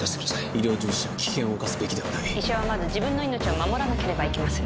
医療従事者は危険を冒すべきではない医者はまず自分の命を守らなければいけません